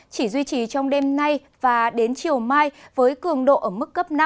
chỉ duy trì trong đêm nay và đến chiều mai với cường độ ở mức cấp năm